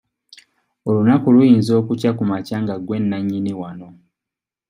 Olunaku luyinza okukya ku makya nga gwe nannyini wano.